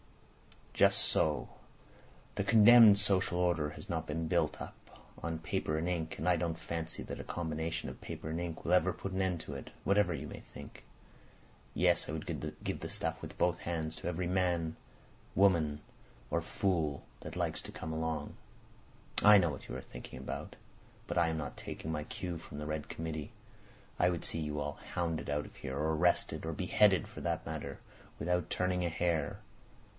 "Just so! The condemned social order has not been built up on paper and ink, and I don't fancy that a combination of paper and ink will ever put an end to it, whatever you may think. Yes, I would give the stuff with both hands to every man, woman, or fool that likes to come along. I know what you are thinking about. But I am not taking my cue from the Red Committee. I would see you all hounded out of here, or arrested—or beheaded for that matter—without turning a hair.